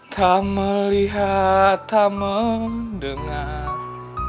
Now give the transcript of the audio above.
tak melihat tak mendengar